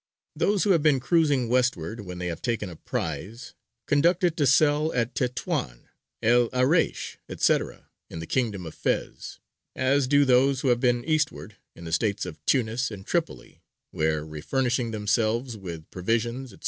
Those who have been cruising westward, when they have taken a prize, conduct it to sell at Tetwān, El Araish, &c., in the kingdom of Fez; as do those who have been eastward, in the states of Tunis and Tripoli: where, refurnishing themselves with provisions, &c.